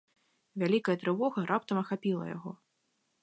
Вялікая трывога раптам ахапіла яго.